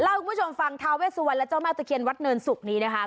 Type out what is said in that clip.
ให้คุณผู้ชมฟังทาเวสุวรรณและเจ้าแม่ตะเคียนวัดเนินศุกร์นี้นะคะ